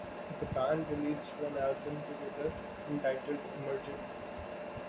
The band released one album together, entitled "Emerging".